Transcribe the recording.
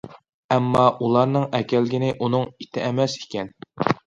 ئەمما، ئۇلارنىڭ ئەكەلگىنى ئۇنىڭ ئىتى ئەمەس ئىكەن.